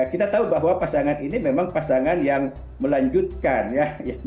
kita tahu bahwa pasangan ini memang pasangan yang melanjutkan ya